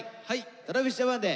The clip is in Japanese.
ＴｒａｖｉｓＪａｐａｎで。